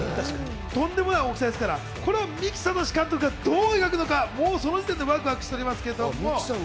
とんでもない大きさですから、三木聡監督がどう描くのかワクワクしておりますけど。